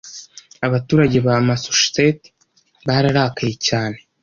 Abaturage ba Massachusetts bararakaye cyane.